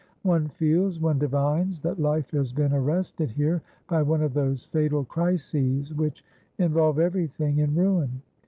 One feels, one divines that life has been arrested here by one of those fatal crises which involve everything in ruin.